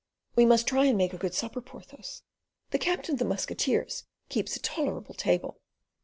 "We must try and make a good supper, Porthos. The captain of the musketeers keeps a tolerable table.